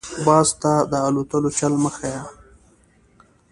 - باز ته دالوتلو چل مه ښیه.